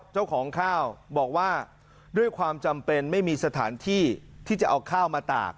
เจ้าของข้าวบอกว่าด้วยความจำเป็นไม่มีสถานที่ที่จะเอาข้าวมาตาก